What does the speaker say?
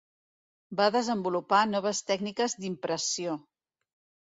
Va desenvolupar noves tècniques d'impressió.